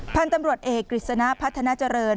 พันธุ์ตำรวจเอกกฤษณะพัฒนาเจริญ